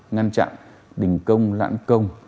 ngăn chặn đình công lãn công